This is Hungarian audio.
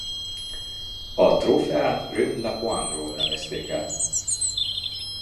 A trófeát Ron Lapointe-ról nevezték el.